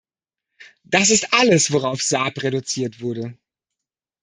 Das ist alles, worauf Saab reduziert wurde.